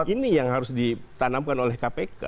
ini yang harus ditanamkan oleh kpk